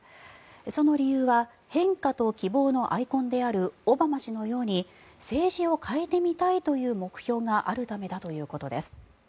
その理由は変化と希望のアイコンであるオバマ氏のように政治を変えてみたいという目標があるためだということです。